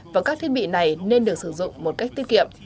và các thiết bị này nên được sử dụng một cách tiết kiệm